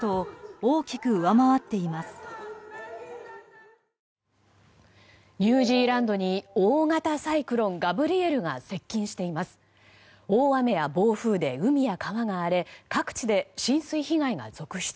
大雨や暴風で海や川が荒れ各地で浸水被害が続出。